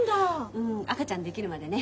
うん赤ちゃんできるまでね。